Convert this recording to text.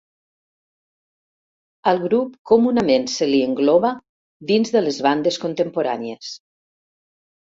Al grup comunament se li engloba dins de les bandes contemporànies.